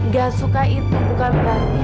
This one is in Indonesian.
gak suka itu bukan berarti